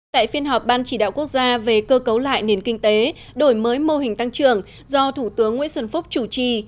tại phiên họp ban chỉ đạo quốc gia về cơ cấu lại nền kinh tế đổi mới mô hình tăng trưởng do thủ tướng nguyễn xuân phúc chủ trì